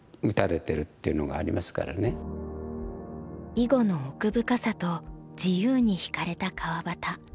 囲碁の奥深さと自由に惹かれた川端。